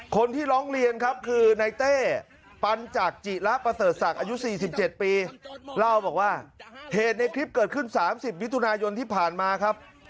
คนที่ร้องเรียนครับคือในเต้ปัญจักรจิระประเสริฐศักดิ์อายุ๔๗ปีเล่าบอกว่าเหตุในคลิปเกิดขึ้น๓๐มิถุนายนที่ผ่านมาครับ